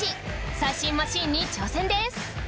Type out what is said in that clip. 最新マシンに挑戦です！